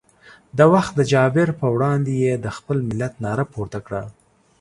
د وخت د جابر پر وړاندې یې د خپل ملت ناره پورته کړه.